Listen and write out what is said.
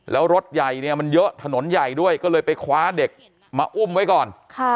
แล้วรถใหญ่เนี่ยมันเยอะถนนใหญ่ด้วยก็เลยไปคว้าเด็กมาอุ้มไว้ก่อน